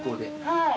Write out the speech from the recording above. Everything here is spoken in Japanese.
はい。